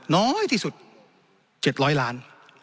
น้อยที่สุด๗๐๐ล้าน